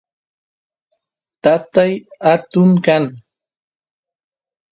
tatay atun kan